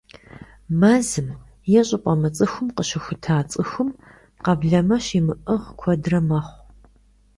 Мэзым е щӀыпӀэ мыцӀыхум къыщыхута цӀыхум къэблэмэ щимыӀыгъ куэдрэ къохъу.